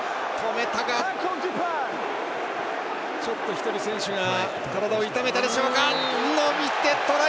１人、選手が体を痛めたでしょうか。